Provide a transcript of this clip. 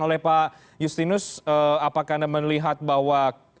oleh pak justinus apakah anda melihat bahwa